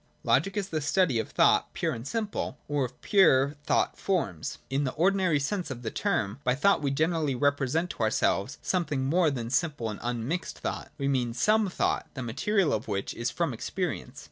(2) Logic is the study of thought pure and simple, or of the pure thought forms. In the ordinary sense of the term, by thought we generally represent to ourselves something more than simple and unmixed thought ; we mean some thought, the material of which is from experience.